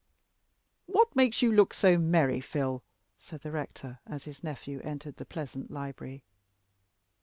"What makes you look so merry, Phil?" said the rector, as his nephew entered the pleasant library.